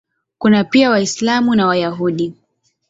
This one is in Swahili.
Kuna pia Waislamu na Wayahudi.